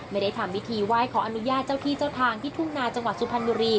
ไม่ได้ทำพิธีไหว้ขออนุญาตเจ้าที่เจ้าทางที่ทุ่งนาจังหวัดสุพรรณบุรี